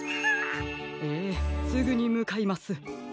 ええすぐにむかいます。